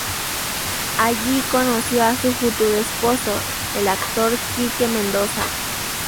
Allí conoció a su futuro esposo, el actor Quique Mendoza.